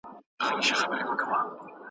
د غوايی خواته ور څېرمه ګام په ګام سو ,